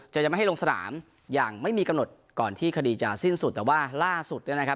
จะอย่าให้ลงสนามยังไม่มีกระหนดก่อนที่คดีจะสิ้นสุดแต่ว่าล่าสุดนะครับ